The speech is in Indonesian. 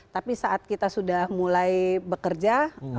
tapi saat kita sudah mulai bekerja